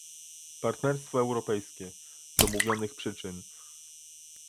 partnerstwo europejskie" z omówionych przyczyn